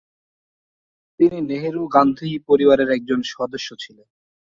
তিনি নেহরু- গান্ধী পরিবার এর একজন সদস্য ছিলেন।